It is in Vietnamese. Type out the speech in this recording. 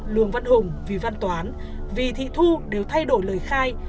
lường văn hùng vì văn toán vì thị thu đều thay đổi lời khai